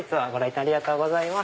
ありがとうございます。